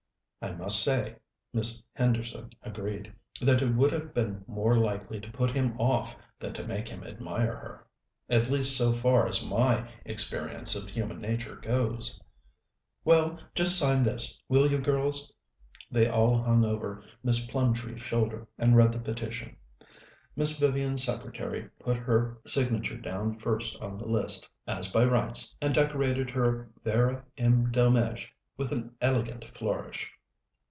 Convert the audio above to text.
"I must say," Miss Henderson agreed, "that it would have been more likely to put him off than to make him admire her. At least, so far as my experience of human nature goes." "Well, just sign this, will you, girls?" They all hung over Miss Plumtree's shoulder, and read the petition. Miss Vivian's secretary put her signature down first on the list, as by rights, and decorated her "Vera M. Delmege" with an elegant flourish.